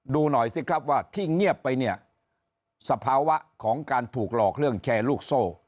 ดูหน่อยสิครับว่าที่เงียบไปเนี่ยสภาวะของการถูกหลอกเรื่องแชร์ลูกโซ่